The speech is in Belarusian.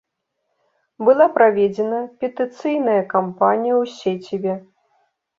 Была праведзена петыцыйная кампанія ў сеціве.